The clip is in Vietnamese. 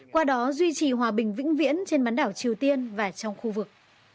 qua đó duy trì hòa bình vĩnh viễn trên bán đảo triều tiên và trong khu vực